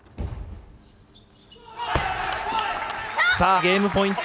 ゲームポイント！